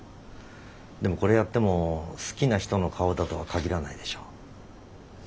でもこれやっても好きな人の顔だとは限らないでしょ。